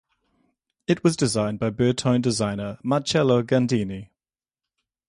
It was designed by Bertone designer Marcello Gandini.